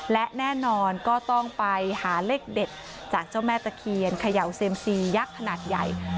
และแน่นอนก็ต้องไปหาเลขเด็ดจากเจ้าแม่ตะเคียนเขย่าเซียมซียักษ์ขนาดใหญ่